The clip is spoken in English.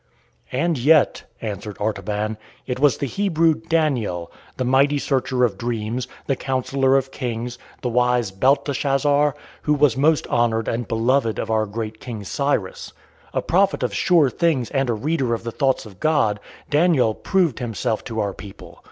"And yet," answered Artaban, "it was the Hebrew Daniel, the mighty searcher of dreams, the counsellor of kings, the wise Belteshazzar, who was most honored and beloved of our great King Cyrus. A prophet of sure things and a reader of the thoughts of God, Daniel proved himself to our people.